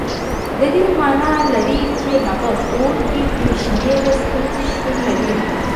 د دې معنا لري چې هغه کور کې بې شمېره ستونزې شتون لري.